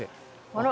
あら！